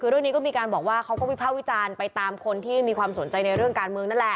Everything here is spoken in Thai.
คือเรื่องนี้ก็มีการบอกว่าเขาก็วิภาควิจารณ์ไปตามคนที่มีความสนใจในเรื่องการเมืองนั่นแหละ